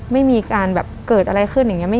ไม่มีการเกิดอะไรขึ้น